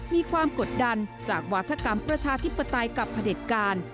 มีความกดดันจากวาธกรรมประชาธิปไตยกับพระเด็จการ